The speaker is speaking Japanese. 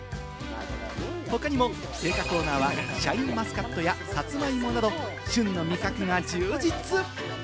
他にも青果コーナーはシャインマスカットやサツマイモなど、旬の味覚が充実。